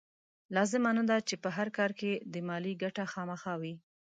لازمه نه ده چې په هر کار کې دې مالي ګټه خامخا وي.